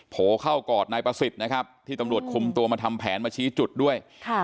โผล่เข้ากอดนายประสิทธิ์นะครับที่ตำรวจคุมตัวมาทำแผนมาชี้จุดด้วย